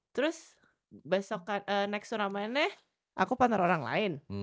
terus besok next turnamennya aku partner orang lain